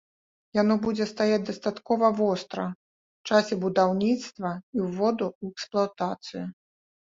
Яно будзе стаяць дастаткова востра ў часе будаўніцтва і ўводу ў эксплуатацыю.